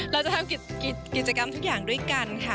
เราจะทำกิจกรรมทุกอย่างด้วยกันค่ะ